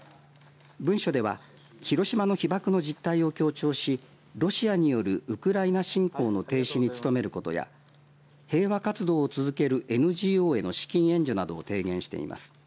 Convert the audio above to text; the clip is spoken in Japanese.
文書では広島の被爆の実態を強調しロシアによるウクライナ侵攻の停止に努めることや平和活動を続けるＮＧＯへの資金援助などを提言しています。